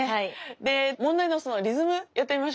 で問題のそのリズムやってみましょうか。